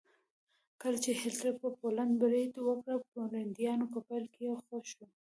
کله چې هېټلر په پولنډ برید وکړ پولنډیان په پیل کې خوښ وو